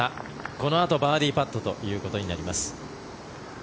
このあと、バーディーパットということになります。